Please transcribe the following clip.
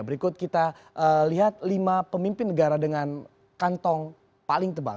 berikut kita lihat lima pemimpin negara dengan kantong paling tebal